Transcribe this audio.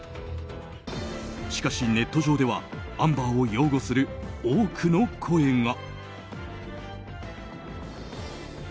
しかし、ネット上ではアンバーを擁護する多くの声が。